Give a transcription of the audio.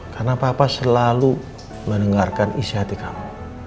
karena papa selalu mendengarkan isi hati kamu